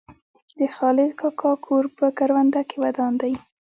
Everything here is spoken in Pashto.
د خالد کاکا کور په کرونده کې ودان دی.